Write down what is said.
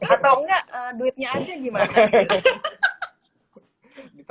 atau enggak duitnya aja gimana